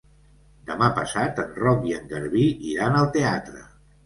Demà passat en Roc i en Garbí iran al teatre.